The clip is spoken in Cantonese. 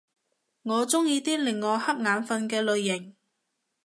我鍾意啲令我瞌眼瞓嘅類型